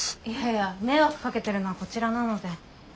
いやいや迷惑かけてるのはこちらなので。